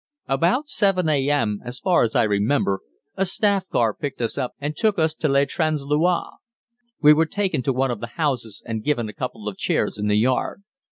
About 7 a.m., as far as I remember, a staff car picked us up and took us to Le Transloy. We were taken to one of the houses and given a couple of chairs in the yard.